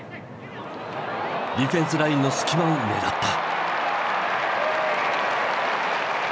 ディフェンスラインの隙間を狙った。